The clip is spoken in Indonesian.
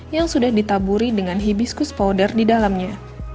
yang sudah ditaburi dengan hibiscus powder di dalamnya